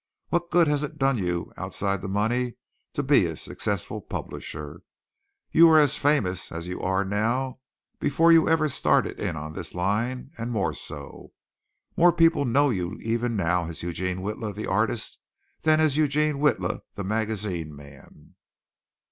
What good has it done you outside the money to be a successful publisher? You were as famous as you are now before you ever started in on this line, and more so. More people know you even now as Eugene Witla, the artist, than as Eugene Witla, the magazine man."